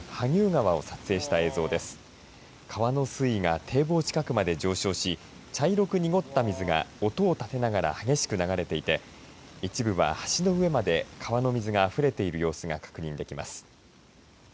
川の水位が堤防近くまで上昇し茶色く濁った水が音を立てながら激しく流れていて一部は橋の上まで川の水があふれている様子が確認できます。